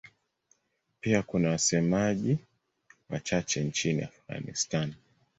Pia kuna wasemaji wachache nchini Afghanistan.